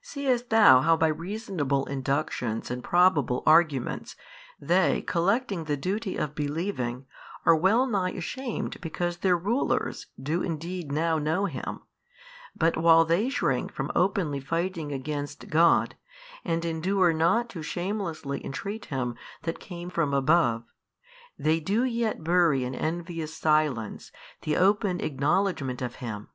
Seest thou how by reasonable inductions and probable arguments they collecting the duty of believing, are well nigh ashamed because their rulers do indeed now know Him, but while they shrink from openly fighting against God, and endure not to shamelessly entreat Him that came from above, they do yet bury in envious silence the open acknowledgement of Him?